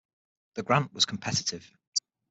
The grant was competitive.